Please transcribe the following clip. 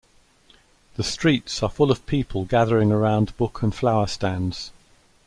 The streets are full of people gathering around book and flower stands.